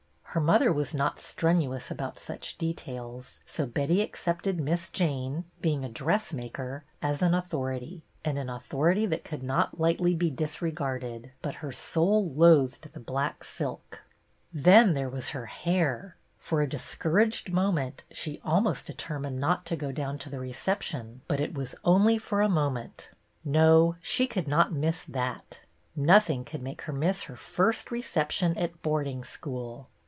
Her mother was not strenuous about such details, so Betty ac cepted Miss Jane — being a dressmaker — as an authority, and an authority that could not lightly be disregarded ; but her soul loathed the black silk. I hen there was her hair! For a discour aged moment she almost determined not to go down to the reception, but it was only lOO BETTY BAIRD for a moment; no, she could not miss that; nothing could make her miss her first i*ece2> tion at boarding school.